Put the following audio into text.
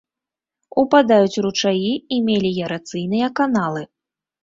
Упадаюць ручаі і меліярацыйныя каналы.